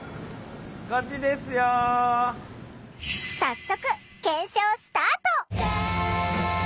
早速検証スタート！